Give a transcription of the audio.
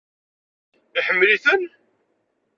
Iḥemmel-iten?